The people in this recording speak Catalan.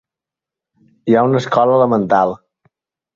Hi ha una escola elemental.